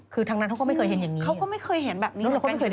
คือทั้งนั้นเขาก็ไม่เคยเห็นอย่างนี้